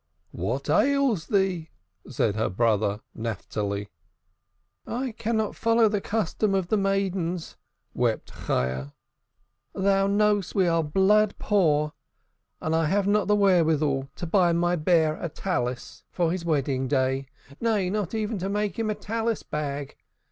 "What ails thee?" said her brother Naphtali. "I cannot follow the custom of the maidens," wept Chayah. "Thou knowest we are blood poor, and I have not the wherewithal to buy my Bear a Talith for his wedding day; nay, not even to make him a Talith bag.